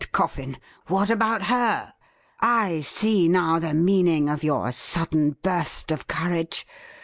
Coffin. What about her ? I see now the meaning of your sudden burst of courage.